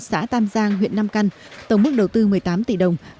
xã tam giang huyện nam căn tổng mức đầu tư một mươi tám tỷ đồng